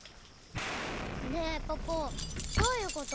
ねえポポどういうこと？